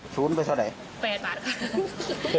สูญไปเท่าไหร่แปดบาทค่ะฮ่า